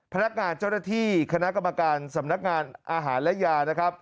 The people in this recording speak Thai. พนักงานเจ้าหน้าที่คณะกรรมการสำนักงานอาหารและยานะครับ